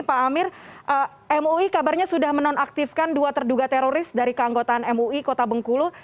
pak amir mui kabarnya sudah menonaktifkan dua terduga teroris dari keanggotaan mui kota bengkulu